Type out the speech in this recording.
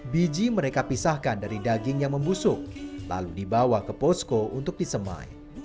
biji mereka pisahkan dari daging yang membusuk lalu dibawa ke posko untuk disemai